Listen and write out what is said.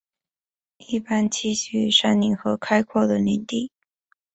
一般栖息于山林和开阔的林地。